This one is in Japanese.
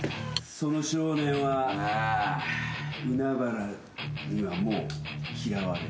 その少年は海原にはもう嫌われ。